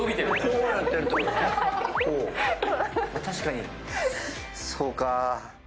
確かにそうかー。